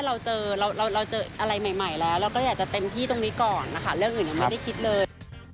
เรื่องอื่นยังไม่ได้คิดเลย